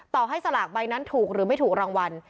ต่อให้สลากใบนั้นถูกหรือไม่ถูกรางวัล